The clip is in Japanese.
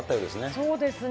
そうですね。